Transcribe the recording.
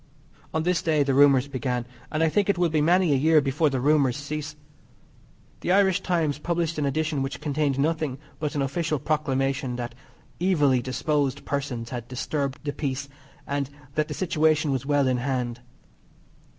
On this day the rumours began, and I think it will be many a year before the rumours cease. The Irish Times published an edition which contained nothing but an official Proclamation that evily disposed persons had disturbed the peace, and that the situation was well in hand.